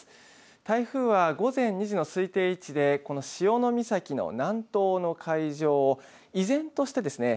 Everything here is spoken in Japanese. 台風は午前２時の推定位置でこの潮岬の南東の海上を依然としてですね